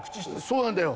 そうなんだよ。